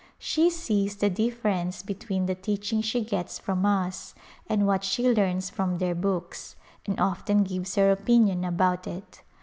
She sees the differ ence between the teaching she gets from us and what she learns from their books and often gives her opinion about it.